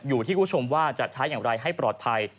คุณผู้ชมว่าจะใช้อย่างไรให้ปลอดภัย